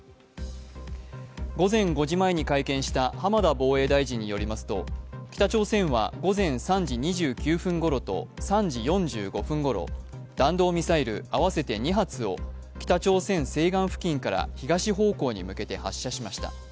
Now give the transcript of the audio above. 午前５時前に会見した浜田防衛大臣によりますと北朝鮮は午前３時２９分ごろと３時４５分ごろ、弾道ミサイル合わせて２発を北朝鮮西岸付近から東方向に向けて発射しました。